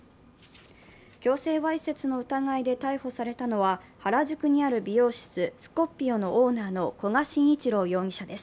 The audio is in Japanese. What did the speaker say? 強制わいせつの疑いで逮捕されたのは、原宿にある美容室ＳＣＯＰＰＩＯオーナーの古賀晋一郎容疑者です。